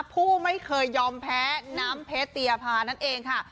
ผู้ไม่เคยยอมแพ้น้ำเพชรเตียภานั่นเองค่ะ